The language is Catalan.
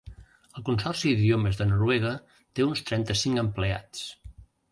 El consorci d'idiomes de Noruega té uns trenta-cinc empleats.